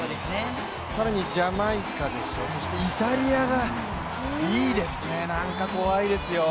更にジャマイカでしょ、そしてイタリアがいいですね、なんか怖いですよ。